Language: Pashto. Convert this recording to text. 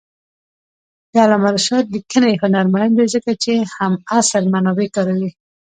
د علامه رشاد لیکنی هنر مهم دی ځکه چې همعصر منابع کاروي.